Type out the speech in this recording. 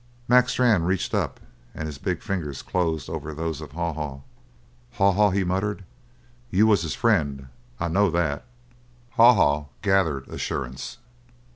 '" Mac Strann reached up and his big fingers closed over those of Haw Haw. "Haw Haw," he muttered, "you was his frien'. I know that." Haw Haw gathered assurance.